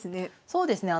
そうですね。